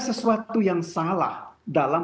sesuatu yang salah dalam